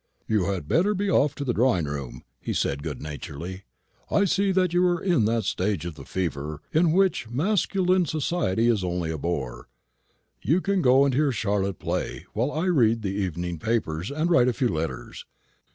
"You had better be off to the drawing room," he said, good naturedly; "I see you are in that stage of the fever in which masculine society is only a bore. You can go and hear Charlotte play, while I read the evening papers and write a few letters.